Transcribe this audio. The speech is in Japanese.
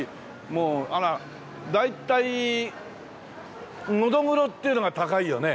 もうあら大体ノドグロっていうのが高いよね？